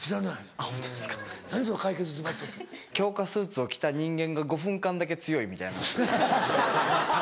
強化スーツを着た人間が５分間だけ強いみたいな。